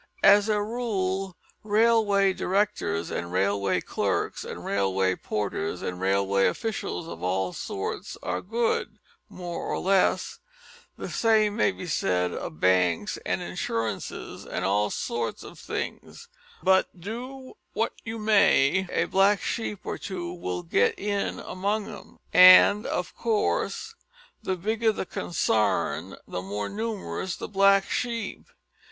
As a rule railway directors and railway clerks, and railway porters and railway officials of all sorts are good more or less the same may be said of banks an' insurances, an' all sorts of things but, do what ye may, a black sheep or two will git in among 'em, and, of course, the bigger the consarn, the more numerous the black sheep.